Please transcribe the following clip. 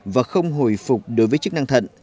và không hồi phục đối với chức năng thận